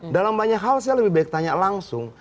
dalam banyak hal saya lebih baik tanya langsung